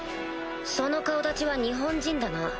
その顔立ちは日本人だな。